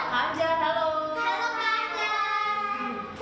ada yang tau nggak ya hari ini kita mau buat eksperimen apa ya